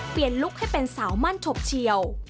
เปลี่ยนลุคให้เป็นสาวมั่นชบเฉียว